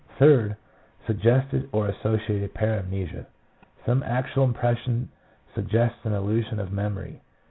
Third, suggested, or associated paramnesia ; some actual impression suggests an illusion of memory.